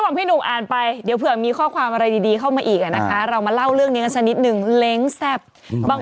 บางคนกินเข้าไปอันนี้เขาบอกโอวาสาเล้งแซ่บ